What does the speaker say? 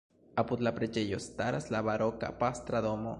Apud la preĝejo staras la baroka pastra domo.